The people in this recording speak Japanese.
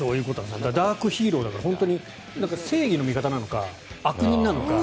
ダークヒーローだから本当に正義の味方なのか悪人なのか。